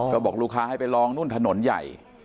ก็บอกลูกค้าให้ไปลองนู่นถนนใหญ่